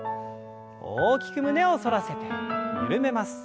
大きく胸を反らせて緩めます。